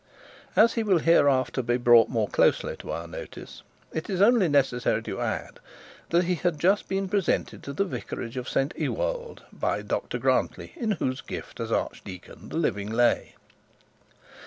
As he will hereafter be brought more closely to our notice, it is now only necessary to add, that he had just been presented to the vicarage of St Ewold by Dr Grantly, in whose gift as archdeacon the living lay.